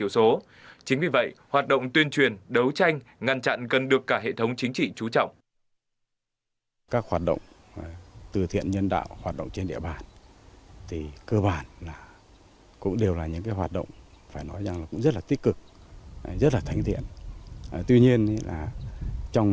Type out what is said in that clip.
số chính vì vậy hoạt động tuyên truyền đấu tranh ngăn chặn cần được cả hệ thống chính trị trú trọng